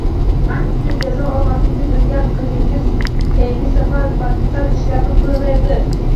Aybi uchun jazo olmasligini bilgan qizingiz keyingi safar badtar ishlarni qilaverardi